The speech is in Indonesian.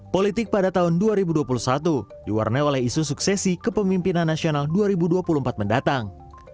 politik pada tahun dua ribu dua puluh satu diwarnai oleh isu suksesi kepemimpinan nasional dua ribu dua puluh empat mendatang